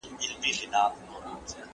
ایا بهرني سوداګر تور ممیز پلوري؟